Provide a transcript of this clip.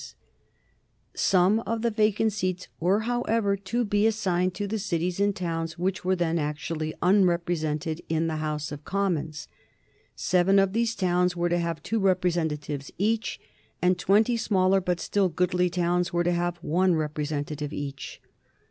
[Sidenote: 1831 The principles of the Reform Bill] Some of the vacant seats were, however, to be assigned to the cities and towns which were then actually unrepresented in the House of Commons. Seven of these towns were to have two representatives each, and twenty smaller but still goodly towns were to have one representative each.